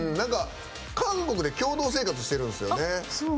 韓国で共同生活してるんですよね。